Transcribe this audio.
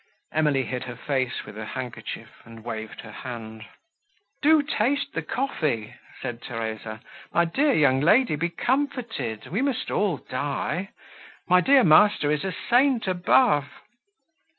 Emily hid her face with her handkerchief, and waved her hand. "Do taste the coffee," said Theresa. "My dear young lady, be comforted—we must all die. My dear master is a saint above."